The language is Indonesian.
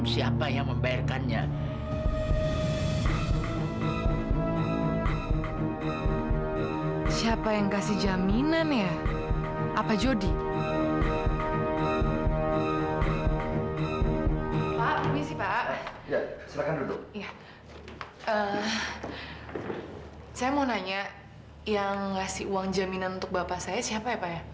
saya mau nanya yang ngasih uang jaminan untuk bapak saya siapa ya pak ya